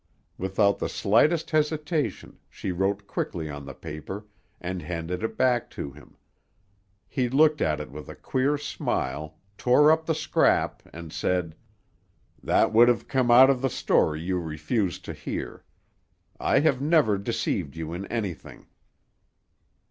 Without the slightest hesitation, she wrote quickly on the paper, and handed it back to him. He looked at it with a queer smile, tore up the scrap, and said, "That would have come out in the story you refused to hear. I have never deceived you in anything."